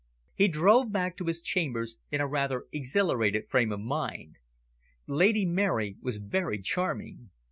He drove back to his chambers in a rather exhilarated frame of mind. Lady Mary was very charming.